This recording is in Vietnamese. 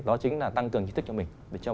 đó chính là tăng cường kỹ thức cho mình